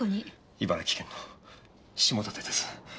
茨城県の下館です。